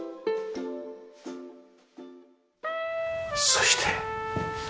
そして。